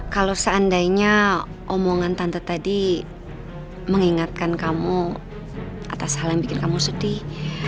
kalau seandainya omongan tante tadi mengingatkan kamu atas hal yang bikin kamu sedih